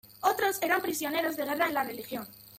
Otros eran prisioneros de guerra en la región.